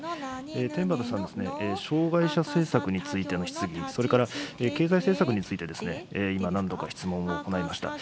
天畠さん、障害者政策についての質疑、それから経済政策について今、何度か質問を行いました。